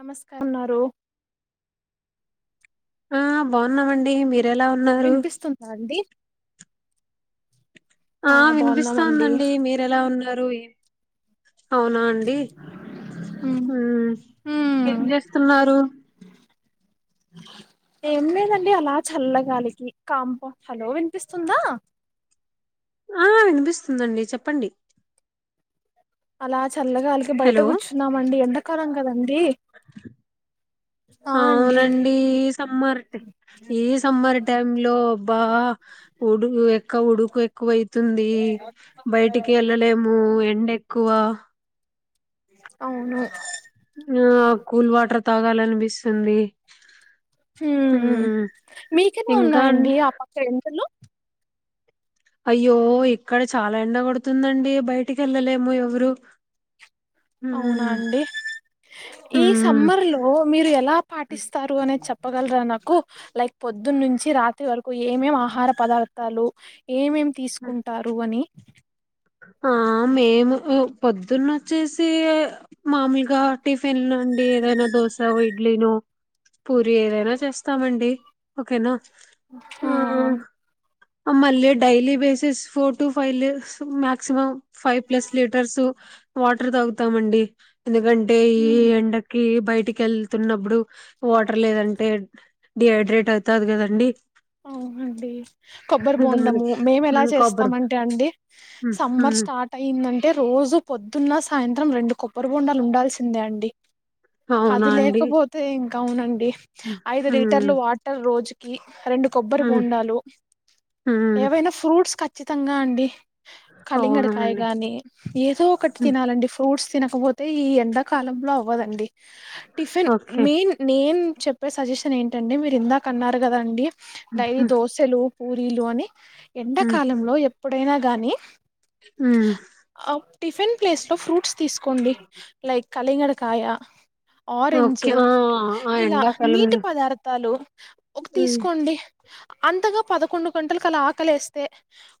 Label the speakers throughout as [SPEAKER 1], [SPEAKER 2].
[SPEAKER 1] నమస్కారంన్నారు
[SPEAKER 2] ఆ బాగున్నామండి మీరు
[SPEAKER 1] వినిపిస్తుంటాండి
[SPEAKER 2] ఆ వినిపిస్తోందండి మీరు ఎలా ఉన్న నారు అవునా అండి
[SPEAKER 1] ఉమ్
[SPEAKER 2] ఏం
[SPEAKER 1] ఉమ్
[SPEAKER 2] చేస్తున్నారు
[SPEAKER 1] ఏం లేదండి అలా చల్లగాలికి కాంప హలో వినిపిస్తుందా
[SPEAKER 2] ఆ వినిపిస్తుందండి చెప్పండి
[SPEAKER 1] అలా చల్లగాలికి బయట
[SPEAKER 2] హలో
[SPEAKER 1] కూర్చున్నామండీ ఎండ క్కరంగ ఆ అండి
[SPEAKER 2] అవునండి ఈ సమ్మర్ ఈ సమ్మర్ టైమ్ లో బా ఉడు ఎక్క ఉడుకు ఎక్కువ ఇ తుంది బయటికి వెళ్ళలేము ఉండెక్కువ
[SPEAKER 1] అవును
[SPEAKER 2] ఆ కూల్ వాటర్ తాగాలనిపిస్తుంది
[SPEAKER 1] ఊ
[SPEAKER 2] మ్మ్
[SPEAKER 1] మీకన్న
[SPEAKER 2] ఇంకా అన్-
[SPEAKER 1] ఉన్నాయండి ఆ పక్క ఎంతలో
[SPEAKER 2] అయ్యో ఇక్కడ చాలా ఎండ కొడుతుందండి బయటికి వెళ్ళలేము ఎవరు
[SPEAKER 1] అవునా
[SPEAKER 2] హ్మ్
[SPEAKER 1] అండి ఈ
[SPEAKER 2] హ్మ్
[SPEAKER 1] సమ్మర్ లో మీరు ఎలా పాటిస్తారు అనేది చెప్పగలరా నాకు లైక్ పొద్దున్న నుంచి రాత్రి వరకు ఏమేం ఆహార పదార్థాలు ఏమేమి తీసుకుంటారు అని
[SPEAKER 2] ఆ మేము పొద్దున్న వచ్చేసి మామూలుగా టిఫిన్ నుండి ఏదైనా దోశ ఇడ్లీను పూరి ఏదైనా చేస్తామండి ఓకేనా ఆ మళ్ళీ daily basis four to five less maximum five plus litres water తాగుతామండి ఎందుకంటే ఈ
[SPEAKER 1] ఉమ్
[SPEAKER 2] ఎండకి బయటికి వెళ్తున్నప్పుడు వాటర్ లేదంటే డిహైడ్రేట్ అవుతాది గదండి
[SPEAKER 1] అవునండి కొబ్బరి బొండము మేము ఎలా చేస్తామంటే అండి
[SPEAKER 2] హ్మ్.
[SPEAKER 1] సమ్మర్
[SPEAKER 2] హ్మ్.
[SPEAKER 1] స్టార్ట్ అయ్యిందంటే రోజు పొద్దున్న సాయంత్రం రెండు కొబ్బరి బొండాలు ఉండాల్సిందే అండి అది లేకపోతే ఇంక్ అవునండి
[SPEAKER 2] ఉ ఉ
[SPEAKER 1] టర్ లో వాటర్ రోజు ఈ రెండు కొబ్బరి
[SPEAKER 2] హ్మ్
[SPEAKER 1] బొండాలు
[SPEAKER 2] హ్మ్
[SPEAKER 1] ఏవైనా ఫ్రూట్స్ కచ్ ఖచ్చితంగా అండి కలింగడికాయ
[SPEAKER 2] అవునండి.
[SPEAKER 1] గాని ఏదో ఒకటి
[SPEAKER 2] హ్మ్.
[SPEAKER 1] తినాలండి ఫ్రూట్స్ తినకపోతే ఈ ఎండాకాలంలో అవ్వదండి టిఫీన్
[SPEAKER 2] ఓకే.
[SPEAKER 1] మెన్ నేన్ చెప్పే సజెషన్ ఏంటి ఎండి మీరు ఇందాక అన్నారు గదా అండి డైలీ
[SPEAKER 2] హుహు.
[SPEAKER 1] దోశలు పూరీలు అని ఎండకాలంలో ఎప్పుడైనా గానీ
[SPEAKER 2] ఆ
[SPEAKER 1] ఆ టిఫిన్ ప్లేస్ లో ఫ్రూట్స్ తీసుకోండి లైట్ కలింగడ కాయా
[SPEAKER 2] ఓకే ఆ ఆ ఎండా కాలం లో
[SPEAKER 1] చాలు ఒక తీసుకోండి అంతగా పదకొండు గంటలకు అలా ఆకలి వేస్తే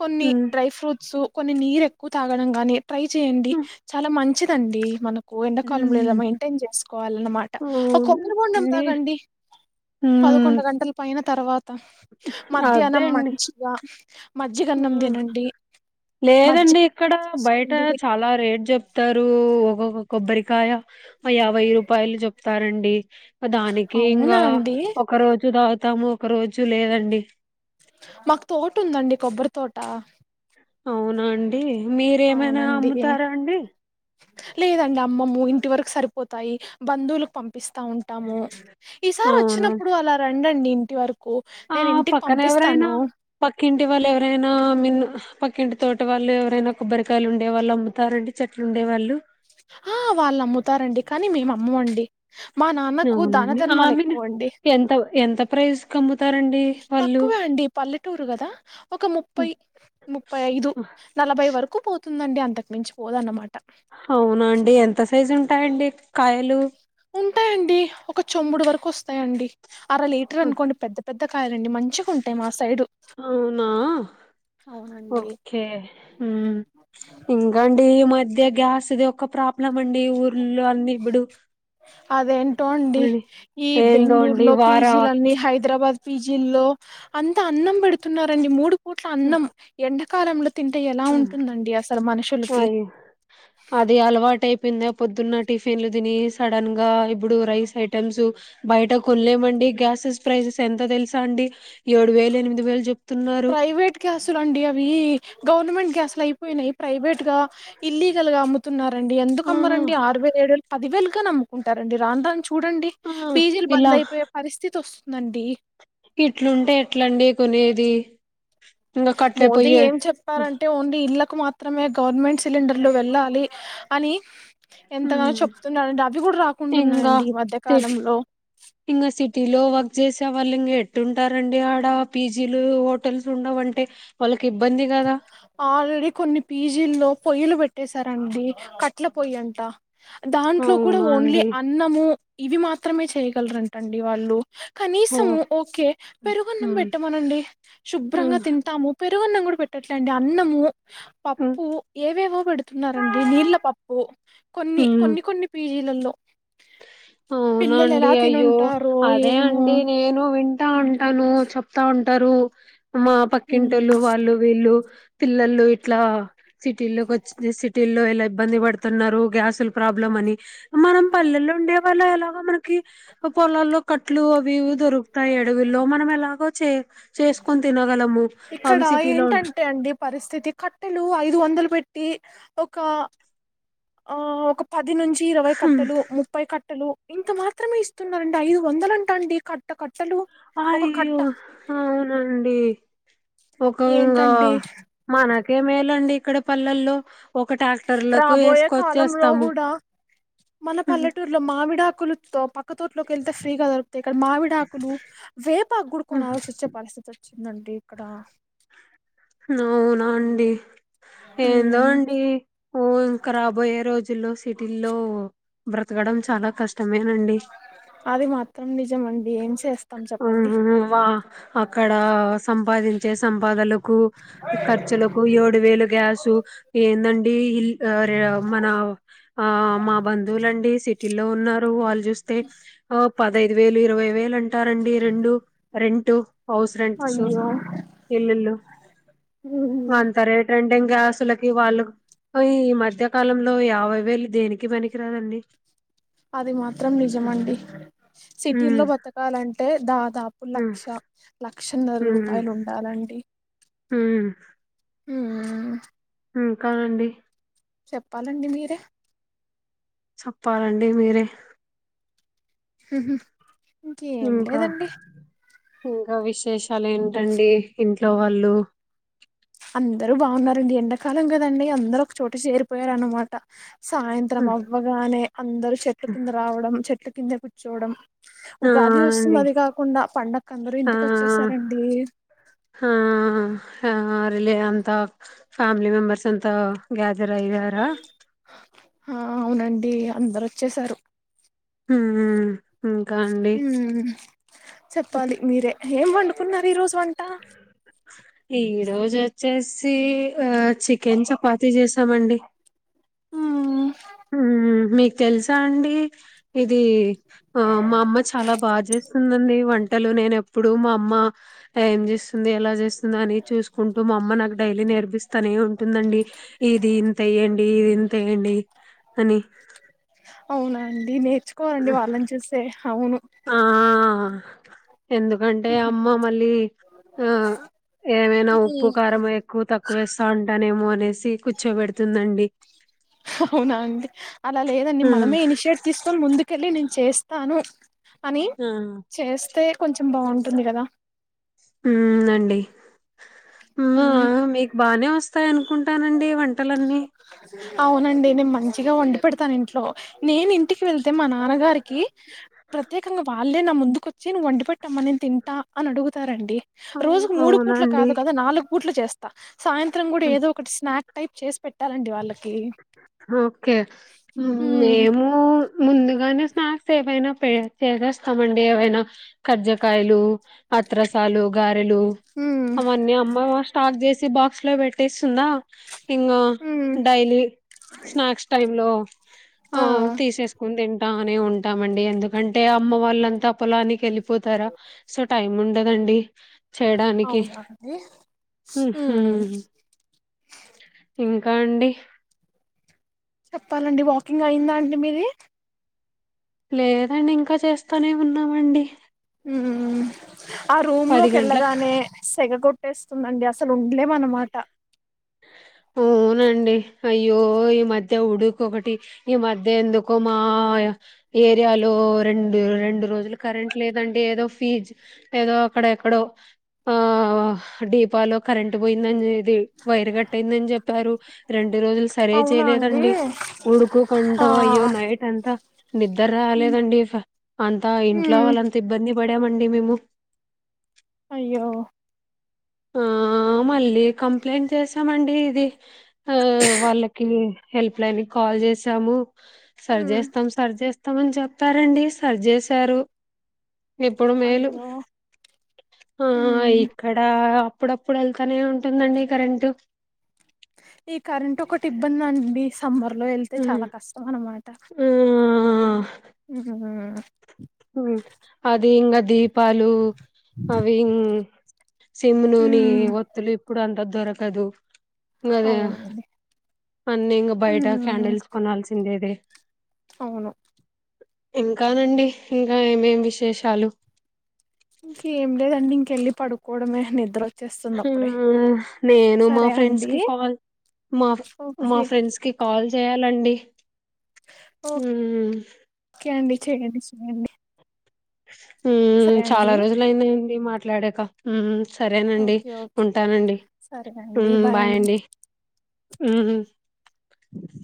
[SPEAKER 1] కొన్ని
[SPEAKER 2] హ్మ్.
[SPEAKER 1] డ్రై ఫ్రూట్స్ కొన్ని నీరు ఎక్కువ తాగడం గానీ ట్రై చేయండి
[SPEAKER 2] హ్మ్.
[SPEAKER 1] చాలా మంచి మంచిదండి మన ఎండాకాలంలో ఇలా
[SPEAKER 2] హ్మ్.
[SPEAKER 1] మెయింటైన్ చేసుకోవాలన్నమాట ఒక కొబ్బరి బొండం
[SPEAKER 2] అవునండి.
[SPEAKER 1] తాగండి
[SPEAKER 2] హ్మ్.
[SPEAKER 1] పదకొండు గంటల పైన తర్వాత
[SPEAKER 2] అదే
[SPEAKER 1] మధ్యాహ్నం
[SPEAKER 2] అండి.
[SPEAKER 1] మంచిగా మజ్జిగన్నం తినండి
[SPEAKER 2] లేదండి
[SPEAKER 1] మజ్జిగ
[SPEAKER 2] ఇక్కడ
[SPEAKER 1] ఉప్మా
[SPEAKER 2] బయట
[SPEAKER 1] చేసుకోండి
[SPEAKER 2] చాలా రేట్ చెప్తారు ఒక్కొక్క కొబ్బరికాయ యాభై రూపాయలు చెప్తారండి దానికి
[SPEAKER 1] అవునా
[SPEAKER 2] ఇంకా
[SPEAKER 1] అండి
[SPEAKER 2] ఒక రోజు ద తాము ఒక రోజు లేదండి
[SPEAKER 1] మాకు తోట ఉందండి కొబ్బరి తోట
[SPEAKER 2] అవునా అండి మీరేమైనా
[SPEAKER 1] అవునండి
[SPEAKER 2] అమ్ముతారా అండి
[SPEAKER 1] లేదండి అమ్మము ఇంటి వరకు సరిపోతాయి బంధువులకు పంపిస్తా ఉంటా ఉంటాము ఈసారి
[SPEAKER 2] అవునా?
[SPEAKER 1] వచ్చినప్పుడు అలా ఉందండీ ఇంటి వరకు
[SPEAKER 2] ఆ
[SPEAKER 1] నేను ఇంటికి
[SPEAKER 2] పక్కన ఎవరైనా
[SPEAKER 1] పంపిస్తాను
[SPEAKER 2] పక్కింటి వాళ్ళు ఎవరైనా మిన్న పక్కింటి తోట వాళ్ళు ఎవరైనా కొబ్బరికాయలు ఉండేళ్ళు అముతారండి చెట్లు ఉండేవాళ్ళు
[SPEAKER 1] ఆ వాళ్ళు అమ్ముతారండి కానీ మేము అమ్మము అండి
[SPEAKER 2] అవునండి ఆ మీన్
[SPEAKER 1] అండి
[SPEAKER 2] ఎంత ఎంత ప్రైస్ అమ్ముతారండి వాళ్ళు
[SPEAKER 1] తక్కువే అండి పల్లెటూరు కదా ఒక
[SPEAKER 2] హ్మ్.
[SPEAKER 1] ముప్పై ముప్పై ఐదు నలభై వరకు పోతు ఉందండీ అంతకు మించి పోదన్నమాట
[SPEAKER 2] అవునా అండి ఎంత సైజ్ ఉంట టాయ్ అండి
[SPEAKER 1] ఉంటాయంండి ఒక చొంబుడు వరకు వస్తంది అర లీటర్
[SPEAKER 2] హ్మ్.
[SPEAKER 1] అనుకోండి పెద్ద పెద్ద కాయలుండి మంచిగా ఉంటాయి మా సైడు
[SPEAKER 2] అవునా
[SPEAKER 1] అవునండి
[SPEAKER 2] ఓకే ఉమ్ ఇంకా అండి ఈ మధ్య గ్యాస్ ఒకొక్క ప్రాప్ లమండి ఊర్లో అన్ని ఇప్పుడు
[SPEAKER 1] అదేం ట్టండి
[SPEAKER 2] అని
[SPEAKER 1] ఈ
[SPEAKER 2] ఏందో
[SPEAKER 1] బెంగళూరు
[SPEAKER 2] అండి
[SPEAKER 1] లో
[SPEAKER 2] వార
[SPEAKER 1] పీజీలన్నీ హైదరాబాద్ పిజిల్లో అంతా అన్నం పెడుతున్నారండి మూడు ట్ల అన్నం ఎండ కారం
[SPEAKER 2] అయి అది అలవాటు కింద పొద్దున్న టిఫిన్లు తిని సడన్ గా ఇప్పుడు రైస్ ఐటెమ్స్ బయట కొనలేమండి గ్యాసెస్ ప్రైసెస్ ఎంత తెలుసా అండి ఏడు వేలు ఎనిమిది వేలు చెప్తున్నారు
[SPEAKER 1] ప్రైవేట్ గ్యాస్సులండి అవి గవర్నమెంట్ గ్యాస్ అయిపోయి ప్రైవేట్ గా ఇల్లీగల్ గా న్నారండి
[SPEAKER 2] ఆ
[SPEAKER 1] ఎందుకమ్మరండి అరవై ఏడులు పదివేలుగా నమ్ముకుంటారండి రాంధా చూడండి
[SPEAKER 2] ఆ
[SPEAKER 1] పీజీలు
[SPEAKER 2] ఇలా
[SPEAKER 1] బంద్ అయిపోయే పరిస్థితి వస్తుందండి
[SPEAKER 2] ఇట్లుంటే ఎట్లండి కొనేది ఇంకా కట్లే
[SPEAKER 1] మోదీ
[SPEAKER 2] పొయ్యే
[SPEAKER 1] ఏం చెప్పారంటే ఓన్లీ ఇళ్ల కు మాత్రమే గవర్నమెంట్ సిలిండర్లు వెళ్ళాలి అని ఎంతగానో
[SPEAKER 2] హ్మ్.
[SPEAKER 1] చెప్తుండడుంటడి అవి కూడా రాకుండా
[SPEAKER 2] ఇంగా
[SPEAKER 1] ఉన్నాయంండి ఈ
[SPEAKER 2] సిట్
[SPEAKER 1] మధ్యకాలంలో
[SPEAKER 2] ఇంగా సిటీలో వర్క్ చేసే వాళ్ళు ఇంకా ఎట్టుంటారండి ఆడ పీజీలు హోటల్స్ ఉండవుంటే
[SPEAKER 1] ఆల్రెడీ కొన్ని పీజీల్లో పొయ్యలు పెట్టేశారంండి కట్ల పొయ్యి అంట దాంట్లో కూడా
[SPEAKER 2] అవునా
[SPEAKER 1] ఓన్లీ
[SPEAKER 2] అండి
[SPEAKER 1] అన్నము ఇవి మాత్రమే చేయ్యగలరంటండి వాళ్ళు
[SPEAKER 2] ఓ
[SPEAKER 1] కనీసము ఓకే పెరుగున్నం
[SPEAKER 2] ఉమ్
[SPEAKER 1] పెట్టమనండి శుభ్రంగా
[SPEAKER 2] ఉమ్
[SPEAKER 1] తింటాము పెరుగున్నం కూడా పెట్టట్లేండి అన్నము పప్పు ఏవేవో పెడుతున్నారంండి నీళ్ళ పప్పు కొన్ని
[SPEAKER 2] ఉమ్
[SPEAKER 1] కొన్ని కొన్ని పీజీ లలో
[SPEAKER 2] అవునండి అయ్యో
[SPEAKER 1] తినుంటారో
[SPEAKER 2] అదే
[SPEAKER 1] ఏమో
[SPEAKER 2] అండి నేను విం తా ఉంటాను చెప్తా ఉంటారు మా పక్కింటోళ్లుు వాళ్ళు వీళ్ళు పిల్లలు ఇట్లా సిటీల్లోకొచ్చిద్ది సిటీల్లో ఎల్ లేబ్బంది పడుతున్నారు గ్యాస్ లు ప్రాబ్లెమ్ అని మనం పల్లెల్లో ఉండే వల్ల ఎలాగో మనకి పొలాల్లో కట్లు అవి ఇవి దొరుకుతాయి అడవుల్లో మనం ఎలాగో చే చేసుకొని తిన
[SPEAKER 1] ఇక్కడ ఏంటంటే అండి పరిస్థితి కట్టెలు ఐదు వందలు పెట్టి ఒక ఆ ఒక ప పది నుంచి ఇరవై
[SPEAKER 2] ఉం-
[SPEAKER 1] కట్టలు, ముప్పై కట్టలు ఇంత మాత్రమే ఇస్తున్నండి ఐదు వందల అంటా అండి కట్ట క
[SPEAKER 2] అయ్యో అవునండి ఒక ఇంగా
[SPEAKER 1] ఏంటండి
[SPEAKER 2] మనకేమేలండి ఇక్కడ పల్లెల్లో ఒక ట్రాక్టర్లకు
[SPEAKER 1] రాబోయే కాలంలో
[SPEAKER 2] వేసుకొచ్చేస్తాము
[SPEAKER 1] కూడా మన పల్లెటూరులో మామిడ ఆకులు తో పక్క తోట్లోకి వెళ్తే ఫ్రీగాద ఇక్కడ మావిడాకులు వేపా గుడుకొని ఆలోచించే పరిస్థితి వ చ్చిందండి ఇక్కడ
[SPEAKER 2] నావునాండి ఏందో
[SPEAKER 1] ఉమ్
[SPEAKER 2] అండి ఓ ఇంకా రాబోయే రోజుల్లో సిటీల్లో బ్రతకడం చాలా కష్
[SPEAKER 1] అది మాత్రం నిజం అండి ఏం చేస్
[SPEAKER 2] ఉహు వా అక్కడ సంపాదించే సంపాదలకు ఖర్చులకు ఏడు వేలు గ్యాసు ఏందండి ఇల్ అరె మన ఆ మా బంధువులండి సి టిల్లో ఉన్నారు వాళ్ళు జుస్తే ఒప్ పదైదు వేలు, ఇరవై వేలు అం టారండి రెండు రెం టు హౌస్ రెంట్స్
[SPEAKER 1] అయ్యో
[SPEAKER 2] ఇల్లుల్లు
[SPEAKER 1] ఉమ్,
[SPEAKER 2] అంత రేట్ ఎం లింగాసులకి వాళ్ళు ఈ మధ్య కాలంలో యాభై వేలు దేనికి పనికిరాదండి.
[SPEAKER 1] అది మాత్రం నిజమండి
[SPEAKER 2] ఉమ్
[SPEAKER 1] సిటీల్లో బతకాలన్ దేదా దాపు
[SPEAKER 2] ఉమ్
[SPEAKER 1] లక్ష ల లక్షన్నర రూపాయలు ఉండాలండి.
[SPEAKER 2] ఉం
[SPEAKER 1] ఉమ్ ఆ
[SPEAKER 2] ఉమ్ ఇంకా అండి.
[SPEAKER 1] చెప్పాలండి మీరే.
[SPEAKER 2] చెప్పాలండి మీరే.
[SPEAKER 1] హహ ఇంకేం
[SPEAKER 2] ఇంకా
[SPEAKER 1] లేదండి.
[SPEAKER 2] ఇంకా విశేషాలు ఏంటండి. ఇంట్లో వాళ్ళు.
[SPEAKER 1] అందరు బాగున్నారండి. ఎండాకాలం కదండి అందరు ఒక చోట చేరిపోయారున్నమాట. సాయంత్రం అవ్వగానే అందరు చెట్టు కింద రావడం చెట్. చెట్ల కింద కుచ్చోడం.
[SPEAKER 2] ఆ
[SPEAKER 1] ఉగాది వస్తుంది
[SPEAKER 2] అండి
[SPEAKER 1] అది కాకుండా పండకు అందరు
[SPEAKER 2] ఆ
[SPEAKER 1] ఇంటికి వచ్చేసారండి.
[SPEAKER 2] ఆ ఆ రిలే అంతా ఫ్యామిలీ మెంబర్స్ అంతా గ్యాదర్ అయ్యారా.
[SPEAKER 1] ఆ అవునండి అందరు వచ్చసారు.
[SPEAKER 2] ఉమ్ ఇంకా అండి
[SPEAKER 1] ఉమ్ చెప్పాలి మీరే. ఏం వండుకున్నారు ఈ రోజు,
[SPEAKER 2] ఈ రోజు వచ్చేసి ఆ చికెన్ చపాతి చేసామండి.
[SPEAKER 1] ఆ
[SPEAKER 2] ఉమ్ మీ తెలుసా అండి. ఇది ఆ మా అమ్మ చాలా బాగా చేస్తుందండి. వంటలు నేను ఎప్పుడు మా అమ్మ మా ఏం చేసుకు వస్తుంది ఎలా చేస్తుంది. అని చూసుకుంటూ మా అమ్మ నాకు డైలీ నేర్పిస్తానే ఉంటుందండి. ఇది ఇంత వెయ్యండి ఇది ఇంతేయండి. అని
[SPEAKER 1] అవునండి నే తెచ్చుకోవాలండి వాళ్ళని చూస్తే అవును.
[SPEAKER 2] ఆ ఎందుకంటే అమ్మ మళ్ళీ ఆ ఏమైనా ఉప్పు కారం ఎక్కువ తక్కువేస్తాంట. అనినేమో అనేసి కూర్చోబెడుతుందండి.
[SPEAKER 1] అవునా అండి అలా లేదండి
[SPEAKER 2] ఆ
[SPEAKER 1] మనమే ఇనిషియేట్ తీసుకొని ముందుకు కి వెళ్ళి నేను చేస్తాను అని చేస్తే కొంచెం బాగుంటుంది కదా
[SPEAKER 2] ఉ అండి హుమా
[SPEAKER 1] ఉమ్
[SPEAKER 2] మీకు బానే వస్తాయి అను అనుకుంటానండి వంటలన్నీ
[SPEAKER 1] అవునండి నేను మంచిగా వండి పెడతాను ఇంట్లో నేను ఇంటికి వెళ్తే మా నాన్నగారికి ప్రత్యేకంగా వాళ్ళే నా ముందుకు వచ్చి నువ్వు వండి పెట్టమ్మ నేను తింటా అని అడుగుతారండి
[SPEAKER 2] అవును
[SPEAKER 1] రోజుకు మూడు పూట్లు
[SPEAKER 2] అవునండి.
[SPEAKER 1] కాదు కదా నాలుగు పుట్లు చేస్తా సాయంత్రం కూడా
[SPEAKER 2] హ్మ్.
[SPEAKER 1] ఏదో నాట్ టైప్ చేసి పెట్టాలండి వాళ్ళ
[SPEAKER 2] ఓకే
[SPEAKER 1] ఉమ్
[SPEAKER 2] మేము ముందుగానే స్నాక్స్ ఏవైనా చేసేస్తాం అండి ఏవైనా కర్జకాయలు అత్రరసాలు గ లు
[SPEAKER 1] ఉమ్
[SPEAKER 2] అవని అమ్మ స్టాక్ చేసి బాక్స్ లో పెట్టేస్తుందా ఇంగ్
[SPEAKER 1] ఉమ్
[SPEAKER 2] డైలీ స్నాక్స్ టైమ్ హాలో ఆ తీసేసుకుని ఏం బానే ఉంటామ అండి ఎందుకంటే అమ్మ వాళ్ళంతా పొలానికి వెెలిి పోతార టైమ్ ఉండదండి చేయడానికి.
[SPEAKER 1] అవునా అండి
[SPEAKER 2] హుహు.
[SPEAKER 1] హుమ్
[SPEAKER 2] ఇంకా అండి
[SPEAKER 1] చెప్పాలండి వాకింగ్ అయిందా అండి మీది
[SPEAKER 2] లేదండి ఇంకా చేస్తానే ఉన్నామండి
[SPEAKER 1] ఆ ఆ రూమ్ లోకి
[SPEAKER 2] గంటలకు
[SPEAKER 1] వెళ్ళగానే సగగొట్ ట్టేస్తుందండి అసలు ఉండలే అనమాట
[SPEAKER 2] పోనండి అయ్యో ఈ మధ్య ఉడుకు ఒకటి ఈ మధ్య ఎందుకో మా ఏరియాలో రెండు రెండు రోజులు కరెంట్ లేదండి ఏదో ఫీజ్ ఏదో అక్కడ ఎక్కడో ఆ డీపాలో కరెంట్ పోయిందనేది వైరు కట్టయిందని చెప్పారు రెండు రోజులు సరే
[SPEAKER 1] అవునా అండి
[SPEAKER 2] చేయలేదండి ఉడుకు
[SPEAKER 1] ఆ
[SPEAKER 2] కంటో అయ్యో నైట్ అంతా నిద్దర రాలేదండి అంత ఇంట్లో
[SPEAKER 1] ఉమ్
[SPEAKER 2] వాళ్ళంత ఇబ్బంది బడే మడిీ మేము
[SPEAKER 1] అయ్యో
[SPEAKER 2] ఆ మళ్ళీ కంప్లైంట్ చేసామండి ఇది ఆ వాళ్ళకి హెల్ప్లైన్కి కాల్ చేసాము సరి
[SPEAKER 1] మ్మ్
[SPEAKER 2] చేస్తాము సరి చేస్తామ అని చెప్తారండి సరి చేసారు ఇప్పుడు మేలు
[SPEAKER 1] అయ్యో
[SPEAKER 2] ఆ
[SPEAKER 1] మ్మ్
[SPEAKER 2] ఇక్కడ అప్పుడప్పుడు వెళ్తానే ఉంటుందండి కరెంటట్
[SPEAKER 1] ఈ కరెంట్ ఒక ఒకటిబంద న మీ సమ్మర్ లో వెళ్తే
[SPEAKER 2] హ్మ్.
[SPEAKER 1] చాలా కష్టం అన్నమాట
[SPEAKER 2] ఆ
[SPEAKER 1] అ
[SPEAKER 2] అది ఇంకా దీపాలు అవి సిమ్ నూని
[SPEAKER 1] ఉమ్
[SPEAKER 2] ఒత్తులు ఇప్పుడు అంత దొరకదు అదే
[SPEAKER 1] అవునండి
[SPEAKER 2] అన్న ఇంకా బయట
[SPEAKER 1] ఉమ్
[SPEAKER 2] క్యాడిల్స్ కొనాల్సిందేది
[SPEAKER 1] అవును
[SPEAKER 2] ఇంకానండి ఇంకా ఏమేం విశేషాలు
[SPEAKER 1] ఇంక ఏం లేదండి ఇంకెళ్ళి పడుకోవడమే నిద్రచ్చ
[SPEAKER 2] నేను మా
[SPEAKER 1] సరే
[SPEAKER 2] ఫ్రెండ్స్
[SPEAKER 1] అండి
[SPEAKER 2] కి కాల్ మా మా
[SPEAKER 1] ఓకే
[SPEAKER 2] ఫ్రెండ్స్ కి కాల్ చేయాలండి అ
[SPEAKER 1] ఓకే అండి చేయండి చెయండి
[SPEAKER 2] చాలా రోజులుయింది మాట్లాడక సరేనండి
[SPEAKER 1] ఓకే ఓకే
[SPEAKER 2] ఉంటానండి
[SPEAKER 1] సరే అండి బాయ్ అండి
[SPEAKER 2] బాయండి